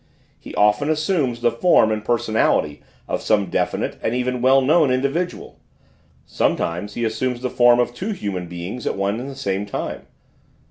He often assumes the form and personality of some definite and even well known individual; sometimes he assumes the forms of two human beings at one and the same time.